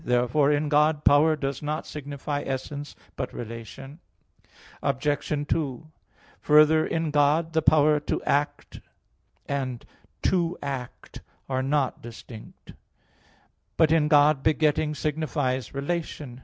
Therefore, in God, power does not signify essence but relation. Obj. 2: Further, in God, the power to act [posse] and 'to act' are not distinct. But in God, begetting signifies relation.